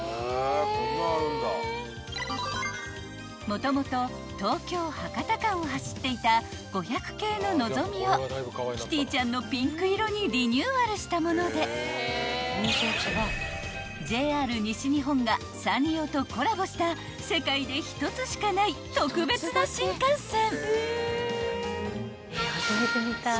［もともと東京博多間を走っていた５００系ののぞみをキティちゃんのピンク色にリニューアルしたものでＪＲ西日本がサンリオとコラボした世界で一つしかない特別な新幹線］